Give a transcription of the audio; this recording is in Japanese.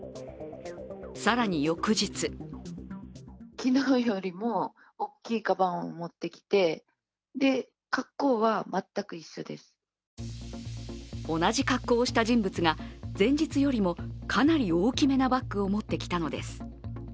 更に翌日同じ格好した人物が前日よりもかなり大きめのバッグを持ってきたのです。